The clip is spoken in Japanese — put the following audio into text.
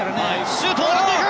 シュートを狙っていく！